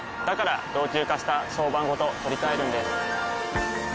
から老朽化した床版ごと取り替えるんです。